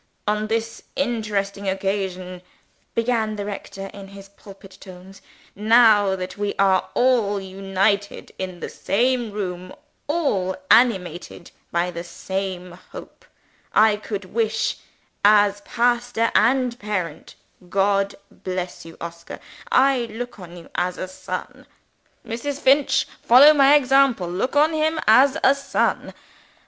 "On this interesting occasion," began the rector in his pulpit tones; "now that we are all united in the same room, all animated by the same hope I could wish, as pastor and parent (God bless you, Oscar: I look on you as a son. Mrs. Finch, follow my example, look on him as a son!)